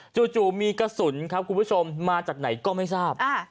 จู่มีกระสุนครับคุณผู้ชมมาจากไหนก็ไม่ทราบ